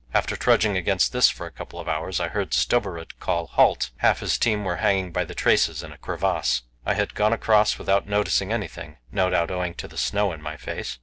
After trudging against this for a couple of hours I heard Stubberud call "Halt!" half his team were hanging by the traces in a crevasse. I had gone across without noticing anything; no doubt owing to the snow in my face.